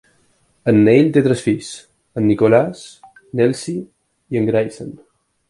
En Neil té tres fills: en Nicholas, l'Elsie i en Graysen.